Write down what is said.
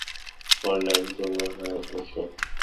পারলে আমি তোমার হাত ধরতাম।